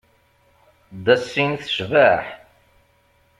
Dassin tecbeḥ.